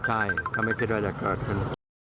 ใช่เขาไม่คิดว่าจะเกิดขึ้น